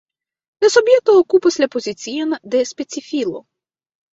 La subjekto okupas la pozicion de specifilo.